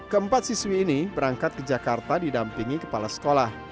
keempat siswi ini berangkat ke jakarta didampingi kepala sekolah